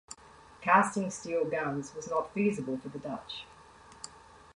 Casting steel guns was not feasible for the Dutch.